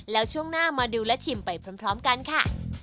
แล้วช่วงหน้ามาดูและชิมไปพร้อมกันค่ะ